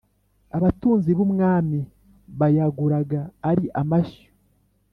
Abatunzi b’umwami bayaguraga ari amashyo